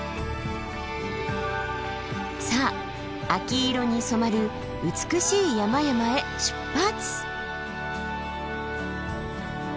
さあ秋色に染まる美しい山々へ出発！